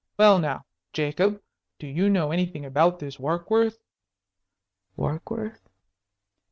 Well, now, Jacob, do you know anything about this Warkworth?" "Warkworth?"